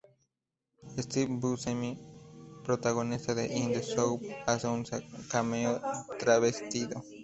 Steve Buscemi, protagonista de "In the Soup", hace un cameo travestido.